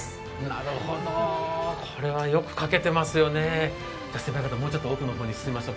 なるほど、これはよく描けてますよね。